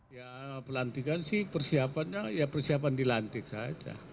ya pelantikan sih persiapannya ya persiapan dilantik saja